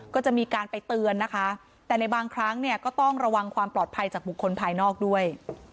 ก็จะมีการไปเตือนนะคะแต่ในบางครั้งเนี่ยก็ต้องระวังความปลอดภัยจากบุคคลภายนอกด้วย